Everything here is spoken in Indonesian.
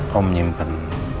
aku mau nyimpen